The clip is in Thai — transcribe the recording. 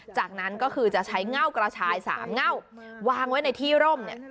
จากนั้นก็คือจะใช้เง่ากระชาย๓เง่าวางไว้ในที่ร่มเนี่ย